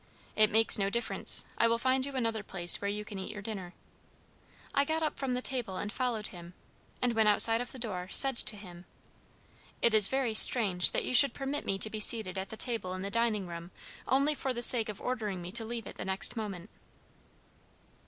"It makes no difference; I will find you another place where you can eat your dinner." I got up from the table and followed him, and when outside of the door, said to him: "It is very strange that you should permit me to be seated at the table in the dining room only for the sake of ordering me to leave it the next moment."